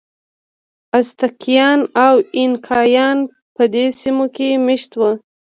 ازتکیان او اینکایان په دې سیمو کې مېشت وو.